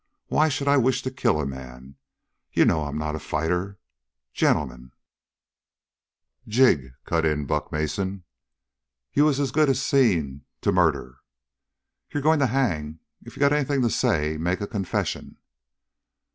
Why should I wish to kill a man? You know I'm not a fighter. Gentlemen " "Jig," cut in Buck Mason, "you was as good as seen to murder. You're going to hang. If you got anything to say make a confession."